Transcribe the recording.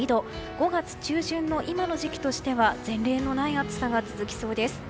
５月中旬の今の時期としては前例のない暑さが続きそうです。